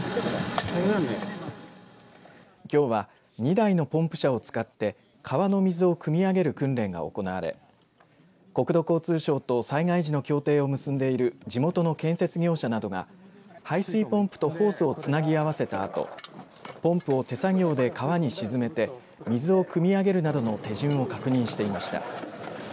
きょうは２台のポンプ車を使って川の水をくみ上げる訓練が行われ国土交通省と災害時の協定を結んでいる地元の建設業者などが排水ポンプとホースをつなぎ合わせたあとポンプを手作業で川に沈めて水をくみ上げるなどの手順を確認していました。